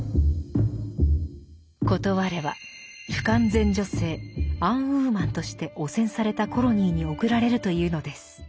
断れば「不完全女性＝アンウーマン」として汚染されたコロニーに送られるというのです。